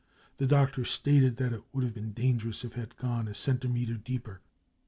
The doctor stated that it would have been danger ous if it had gone a centimetre deeper.